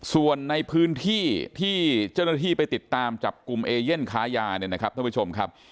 ส่วนในพื้นที่ที่เจ้าหน้าที่ไปติดตามจากกลุ่มเอเยี่ยนค้ายา